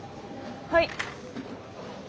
はい？